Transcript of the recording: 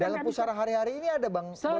dalam pusaran hari hari ini ada bang